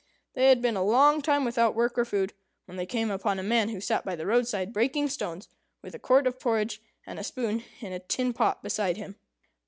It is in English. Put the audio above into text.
They had been a long time without work or food, when they came upon a man who sat by the roadside breaking stones, with a quart of porridge and a spoon in a tin pot beside him.